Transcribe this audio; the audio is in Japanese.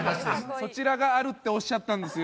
そちらがあるっておっしゃったんですよ。